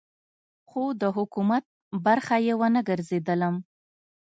خو د حکومت برخه یې ونه ګرځېدلم.